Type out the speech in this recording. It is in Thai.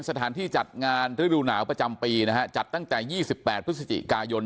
สถานที่จัดงานฤดูหนาวประจำปีนะฮะจัดตั้งแต่๒๘พฤศจิกายน